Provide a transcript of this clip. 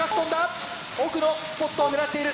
奥のスポットを狙っている。